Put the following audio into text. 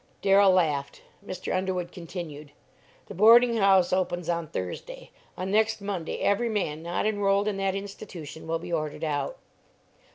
Darrell laughed. Mr. Underwood continued: "The boarding house opens on Thursday; on next Monday every man not enrolled in that institution will be ordered out."